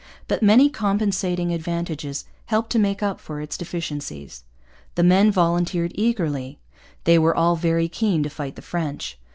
But many compensating advantages helped to make up for its deficiencies. The men volunteered eagerly. They were all very keen to fight the French.